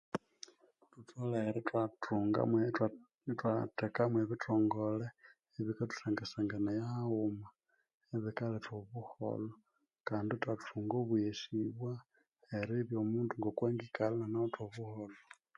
Thutholhera ithwathunga ithwatheka mwebithongole ebikathusangasanganaya haghuma ebikaletha obuholho Kandi ithwathunga obweghesibwa eribya omundu ngoko angikalha inanawithe obuholho